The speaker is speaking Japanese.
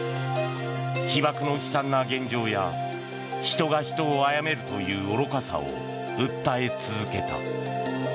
被爆の悲惨な現状や人が人を殺めるという愚かさを訴え続けた。